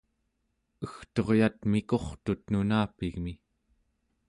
egturyat mikurtut nunapigmi